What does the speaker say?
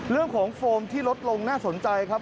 เรื่องของโฟมที่ลดลงน่าสนใจครับ